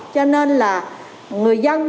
cho nên là người dân thì